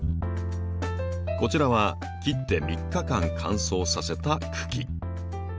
こちらは切って３日間乾燥させた茎。